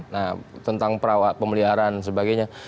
nah tentang pemeliharaan sebagainya